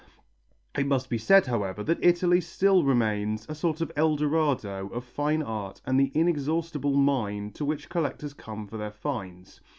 It must be said, however, that Italy still remains a sort of El Dorado of fine art and the inexhaustible mine to which collectors come for their finds.